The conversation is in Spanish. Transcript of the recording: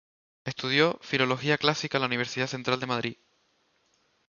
Estudió Filología Clásica en la Universidad Central de Madrid.